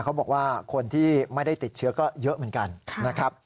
เขาบอกว่าคนที่ไม่ได้ติดเชื้อก็เยอะเหมือนกันนะครับ